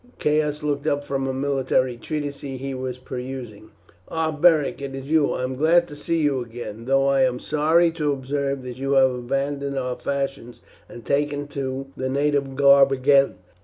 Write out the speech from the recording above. Caius looked up from a military treatise he was perusing. "Ah, Beric! it is you! I am glad to see you again, though I am sorry to observe that you have abandoned our fashions and taken to the native garb again."